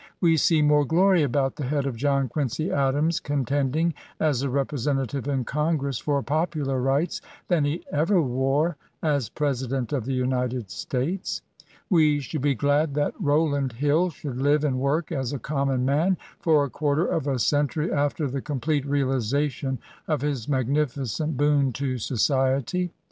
We see more glory about the head of John Quincy Adams contending, as a Representative in Congress, for popular rights, than he ever wore as President of the United States. We should be glad that Bowland Hill should live and work as a common man for a quarter of a century after the complete reali sation of his magnificent boon to society.